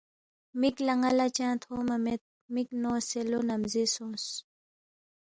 مک لا نالا چنگ تھونگ مید مک نونگسے لو نمزے سونگ